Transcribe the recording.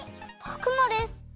ぼくもです！